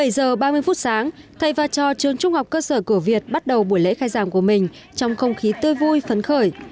bảy giờ ba mươi phút sáng thầy và trò trường trung học cơ sở cửa việt bắt đầu buổi lễ khai giảng của mình trong không khí tươi vui phấn khởi